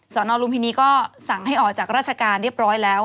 นลุมพินีก็สั่งให้ออกจากราชการเรียบร้อยแล้ว